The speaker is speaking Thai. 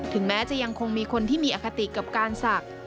แม้จะยังคงมีคนที่มีอคติกับการศักดิ์